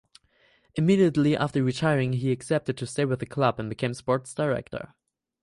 Immediately after retiring he accepted to stay with the club and became sports director.